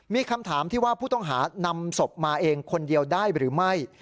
มีคำถามที่ว่าผู้ต้องหานำศพมาเองคนเดียวได้หรือไม่